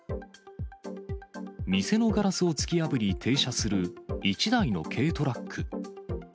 店のガラスを突き破り、停車する一台の軽トラック。